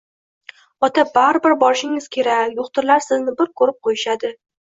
Ota, baribir borishingiz kerak, do`xtirlar sizni bir ko`rib qo`yishadi